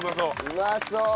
うまそう！